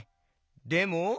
でも？